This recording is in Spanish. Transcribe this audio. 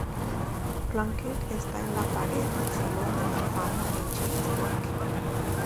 Plunkett está en la pared del Salón de la Fama en James Lick.